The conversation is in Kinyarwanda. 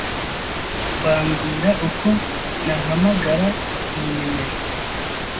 Wambwira uko nahamagara iyi nimero?